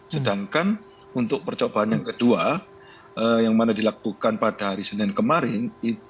sedangkan untuk percobaan yang kedua yang mana dilakukan pada hari senin kemarin